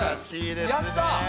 やった！